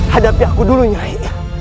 hadapi aku dulu nyari